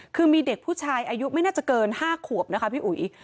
คือมีเด็กผู้ชายอายุไม่น่าจะเกิน๕ขวบนะคะพี่อุ๋ย